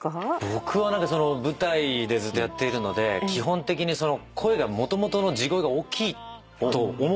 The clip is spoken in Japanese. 僕は舞台でずっとやっているので基本的にもともとの地声が大きいと思うんですよ。